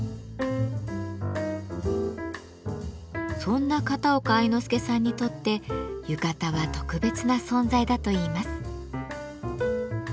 そんな片岡愛之助さんにとって浴衣は特別な存在だといいます。